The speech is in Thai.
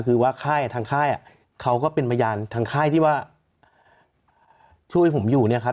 คือว่าค่ายทางค่ายเขาก็เป็นพยานทางค่ายที่ว่าช่วยผมอยู่เนี่ยครับ